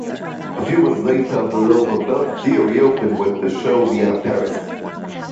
A few months later the Lower Belvedere reopened with the show Vienna-Paris.